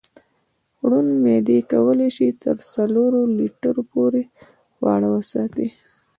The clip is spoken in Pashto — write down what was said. زړوند معدې کولی شي تر څلورو لیټرو پورې خواړه وساتي.